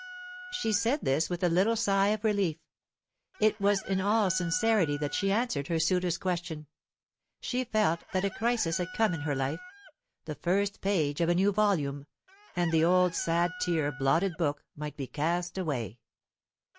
She said this with a little sigh of relief. It was in all sincerity that she answered her suitor's question. She felt that a crisis had come in her life the first page of a new volume; and the old sad tear blotted book might be cast away.